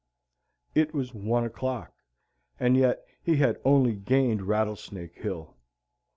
It was one o'clock, and yet he had only gained Rattlesnake Hill.